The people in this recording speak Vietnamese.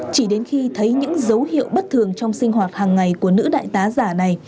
chỉ đến khi thấy những dấu hiệu bất thường trong sinh hoạt hàng ngày của nữ đại tá giả này